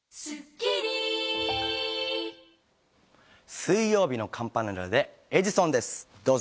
水曜日のカンパネラで『エジソン』です、どうぞ。